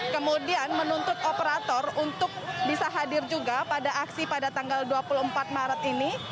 kemudian menuntut operator untuk bisa hadir juga pada aksi pada tanggal dua puluh empat maret ini